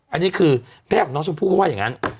อันนี้คือแม่ของน้องชมพู่เขาว่าอย่างนั้น